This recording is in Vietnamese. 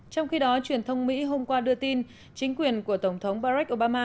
trong khi đó truyền thông mỹ hôm qua đưa tin chính quyền của tổng thống barack obama